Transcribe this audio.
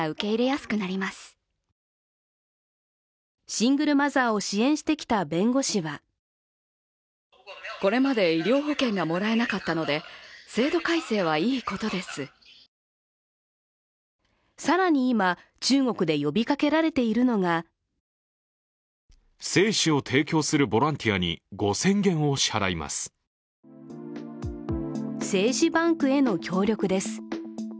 シングルマザーを支援してきた弁護士は更に今、中国で呼びかけられているのが精子バンクへの協力です。